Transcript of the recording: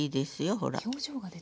ほら。